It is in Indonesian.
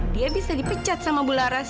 dia bisa dipecat sama bularas